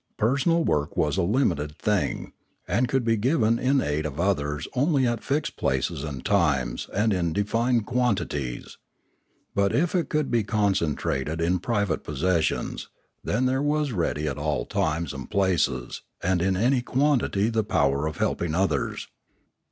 Per sonal work was a limited thing, and could be given in aid of others only at fixed places and times and in defined quantities. But if it could be concentrated in private possessions, then there was ready at all times and places and in any quantity the power of helping others.